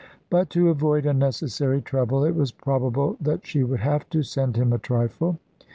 But to avoid unnecessary trouble it was probable that she would have to send him a trifle.